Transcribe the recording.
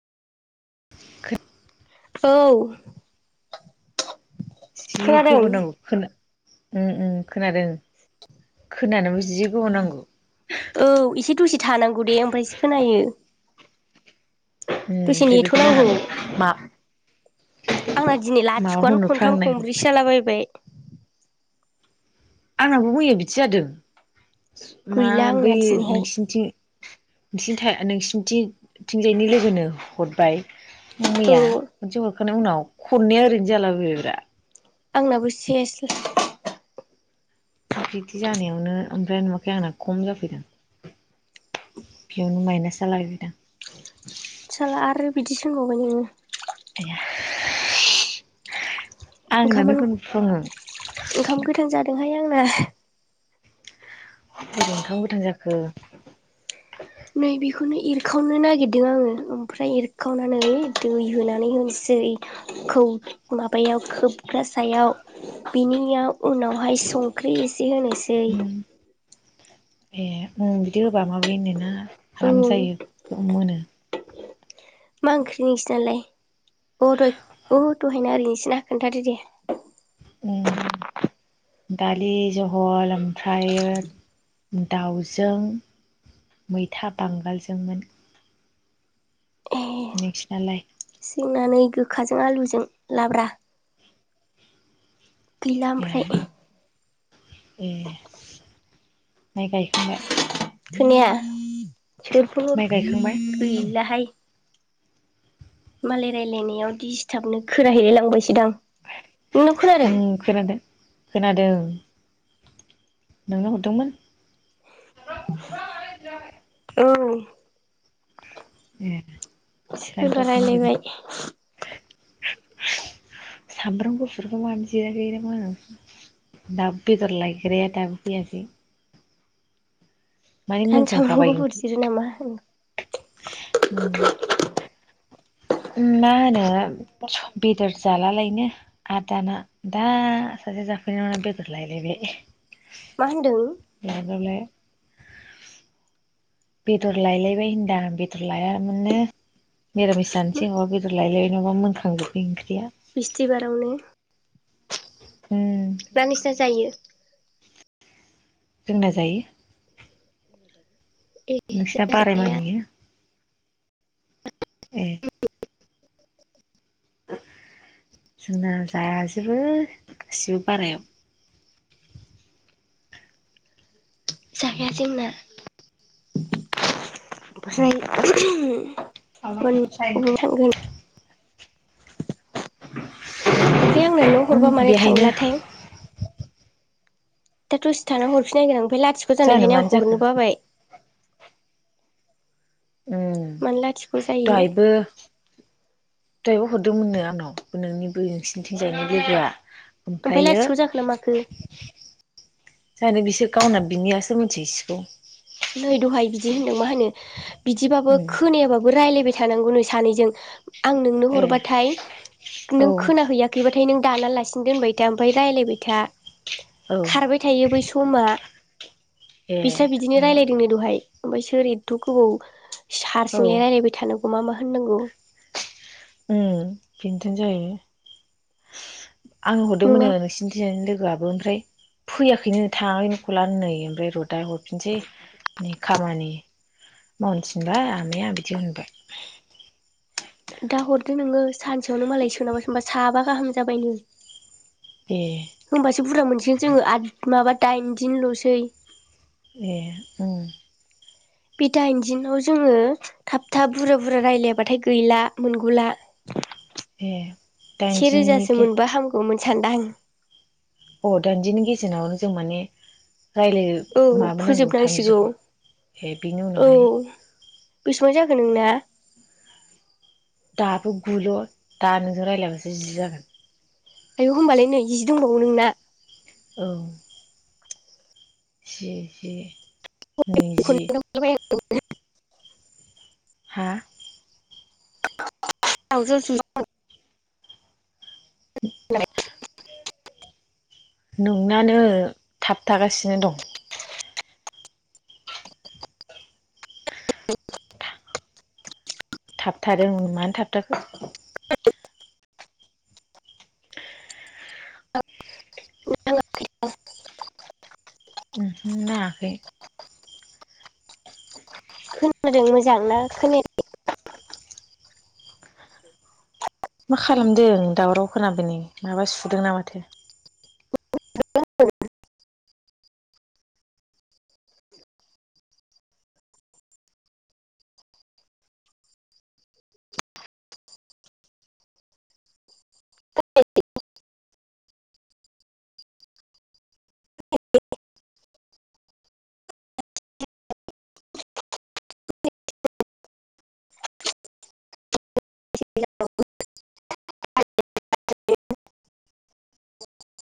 [unintelligible] औ जि खोनादों? गोबाव नांगौ‌ खोना उम ‌उम खोनादों। खोनानोबो जि गोबाव नांगौ। औ एसे दसे थानांगौ दे ओमफायसो खोनायो। मुं दसे ओमफ्राय नेथ' बेखौनो नांगौ आंहा माब आंना दिनै लाथिख'आनो हरनोफ्रां खनथाम नागिर खनब्रैसो जालाबायबाय। आंहाबो मैया बिदि जादों मा गैला बै आंना दिनैहाय नोंसिनिथि [unintelligible] नोंसिनिथि थिंजायनि लोगोनो हरबाय औ मैया खनसे हरखानाय उनाव खननैआ ओरैनो जाला बायबायब्रा आंनाबो सेस बिदि जानायावनो ओम ओमफाय नुवाखै आंना खम जाफैदों बेयावनो माइनास जाला बायबाय दां। साला आरो बिदिसो‌ होनबावबाय नोङो‌। [inaudible] आंनानो ओंखामानो होनफ्लाङो ओंखाम गोथां जादोंहाय आंना बोरै ओंखाम गोथां जाखो? नै बेखौनो एरखावनो नागिरदों आङो ओमफ्राय एरखावनानै दै होनानै होनोसै। खौ माबायाव खोबग्रा सायाव बिनियाव उनावहाय सं ख्रि इसे होनोसै। उम ए ओ बिदि होबा माबायोनो ना आराम औ जायो मोनो मा ओंख्रि नोंसिनालाय अ दहाय अ दहाय [unintelligible] नोंसिना खोन्थादो दे‌ उ दालि जहल ओमफ्रायो दाउजों मैथा बांगालजोंमोन ए नोंसिनालाय? जोंना नै गोखाजों आलुजों लाब्रा गैला ए ओमफ्राय ए माइ गायखांबाय? खोनाया सोर फन माइ हरखो गायखांबाय गैलाहाय मालाय रायलायनायाव दिसथाबनो खोनाहैलाय लांबायसोदां। नोंनाव खोनादों उम खोनादों खोनादों। नोंनो हरदोंमोन? औ ए सोरबा दानिथ' खानाफैदों रायलायबाय सामब्राम गुफुरखौ मानो जिराखै ना मानो दाब बेदर लायग्राया दाबो फैयाखै। माने आं सामब्राम मोनखांखाबाय गुफुर ओंख्रि जिरो नामा उम ओम मा होनो बेदर जालालायनो। आर दाना दा सासे जाफैनायाव बेदर लायलाय बाय। मा होनदों? नाजाउलाय। बेदर लायलायबाय होनदां बेदर लायामोननो। मेरामिस जानोसै नबा बेदर लायलायबाय नङाबा मोनखांजोबाय ओंख्रिया। बिस्थिबारावनो। ओम ना नोंसिना जायो? जोंना जायो। [inaudible] नोंसिना जोंना बाराय जाया मानियो? ए जुंना जाजोबो गासिबो बारायाव। जाखाया जोंना [unintelligible] [unintelligible] ओमफ्राय आंना न' उम हरबा मानो बेहायनो थांलाथाय? दा दसे थाना हरफिन नायगोन आं ओमफ्राय लाथिख' जानो जानायखायनो मानो आं जाखो हरनो बाबाय। ओम मानो लाथिख' जायो दहायबो दहायबो हरदोंमोननो आंनाव नोंनि बै [unintelligible] ओमफ्राय ओमफ्रायो लाथिख' जाखो ना माखो जानो बिसोर गावना बिनियासो मिथिहै सिगौ। नै दहाय बिदि होनदों मा होनो बिदिबाबो उम खोनायाबाबो रायलायबाय थानांगौ नो सानैजों आं नोंनो ए हरबाथाय औ नों खोनाहैया खैबाथाय नों दानालासिननो दोनबाय था ओमफाय रायलायबाय था। औ [unintelligible] बै समा ए बेसा बिदिनो उम रालाय नो दहाय ओफाय सोर एथ' गोबाव औ सारसिंहाय रायलायबाय थानांगौ मा मा होननांगौ उम बेनथन जायो आंनो हरदोंमोन नङा नोंसि जिनजायनि लोगोआबो ओमफ्राय फैयाखैनो थाङाखैनो खलानो नै ओमफ्राय रद दाहाय हरफिनसै नै खामानि मावनोथिनबाय आमाया बिदि होनबाय। दा हरदो नोङो सानसेयावनो मालाय सोरनाबा सोरनाबा साबा गाहाम जाबायनो। ए होनोमबासो बुरजा मोनसिगोन जोङो आद माबा दाइनदिनल'सै ए उम बे दाइनदिनाव जोङो थाब थाब बुरा बुरा रायलायाबाथाय गैला मोनगुला ए से दाइनजिनि रोजासो गे मोनबा हामगौमोन सानदां अ' दाइदिननि गेजेरावनो जों माने रायलाय औ माबानांगौ फोजोबनांसिगौ थामजिखौ ए बिनि औ उनावहाय बिसिबां जाखो नोंना? दाबो गुल' दा नोंजों रायलायबासो जि जागोन। आयौ होनबालाय नै‌ जि दंबावो नोंना। औ जि जि नैजि [inaudible] हा औ [inaudible] [inaudible] नोंनानो थाबथागासिनो दं। थाबथादों मानो थाबथाखो। [inaudible] [inaudible] ओमहोम नाङाखै। खोनादों मोजांना खोनाया मा खालामदों दावराव खोनाबाय नै माबा सुदोंना माथो। [inaudible]